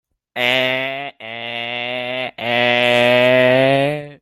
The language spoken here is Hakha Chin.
Ka kaa a thaw.